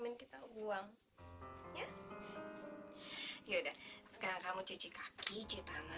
nggak ada sam nggak ada titipan